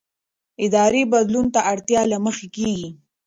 اداري بدلون د اړتیا له مخې کېږي